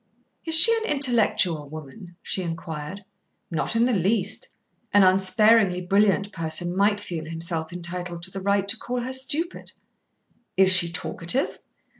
"Is she an intellectual woman?" she inquired. "Not in the least. An unsparingly brilliant person might feel himself entitled to the right to call her stupid." "Is she talkative?"